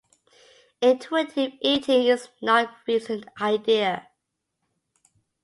Intuitive eating is not a recent idea.